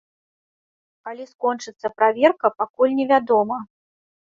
Калі скончыцца праверка, пакуль невядома.